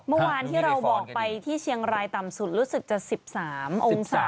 เมื่อวานที่เราบอกไปที่เชียงรายต่ำสุดรู้สึกจะ๑๓องศา